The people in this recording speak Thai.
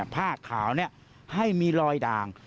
ภาคขาวนี้ให้มีรอยด่าง